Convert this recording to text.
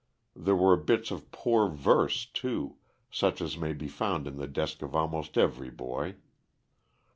There were bits of poor verse, too, such as may be found in the desk of almost every boy.